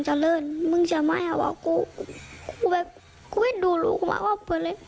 ให้ทราบ